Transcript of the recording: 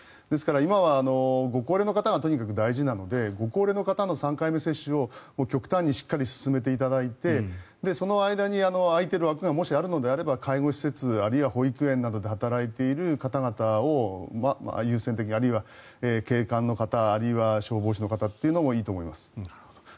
ですから、今はご高齢の方がとにかく大事なのでご高齢の方の３回目接種を極端にしっかり進めていただいてその間に、空いている枠がもしあるのであれば介護施設あるいは保育園などで働いている方々を優先的あるいは警官の方あるいは消防士の方というのもいいと思います。